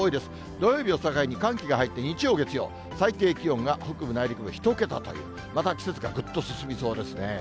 土曜日を境に、寒気が入って、日曜、月曜、最低気温が北部内陸部１桁という、また季節がぐっと進みそうですね。